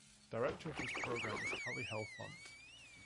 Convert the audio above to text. Director of this program is Tally Helfont.